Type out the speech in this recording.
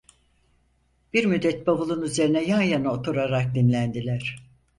Bir müddet bavulun üzerine yan yana oturarak dinlendiler.